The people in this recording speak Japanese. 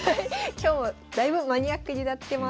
今日もだいぶマニアックになってます。